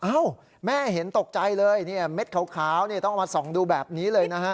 อ้าวแม่เห็นตกใจเลยเม็ดขาวนี่ต้องเอามาส่องดูแบบนี้เลยนะฮะ